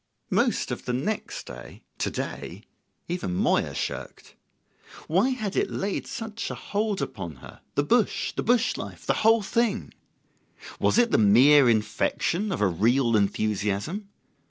Most of the next day to day! even Moya shirked. Why had it laid such a hold upon her the bush the bush life the whole thing? Was it the mere infection of a real enthusiasm?